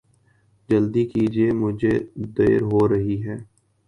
جلدی کیجئے مجھے دعر ہو رہی ہے